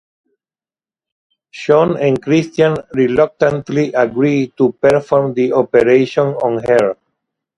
Sean and Christian reluctantly agree to perform the operation on her.